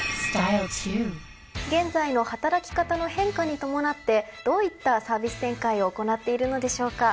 現在の働き方の変化に伴ってどういったサービス展開を行っているのでしょうか？